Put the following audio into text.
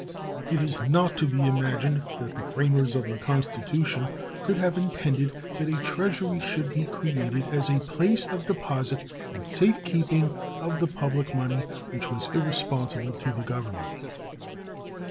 It is not to be imagined that the framers of the Constitution could have intended that a treasury should be created as a place of deposit and safe keeping of the public money which was irresponsible to the Government.